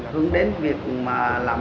hướng đến việc mà